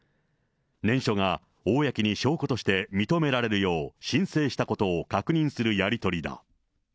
念書が公に証拠として認められるよう、申請したことを確認するやり取りだ。